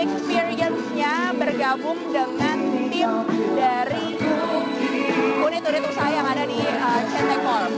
experience nya bergabung dengan tim dari unit unit usaha yang ada di ct corp